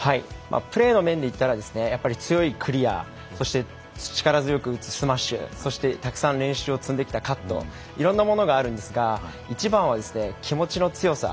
プレーの面でいったら強いクリアそして力強く打つスマッシュそしてたくさん練習を積んできたカット、いろんなものがあるんですが一番は気持ちの強さ。